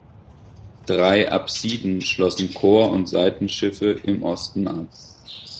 Drei Apsiden schlossen Chor und Seitenschiffe im Osten ab.